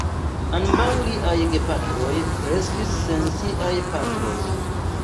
Ambaŭ liaj gepatroj kreskis sen siaj patroj.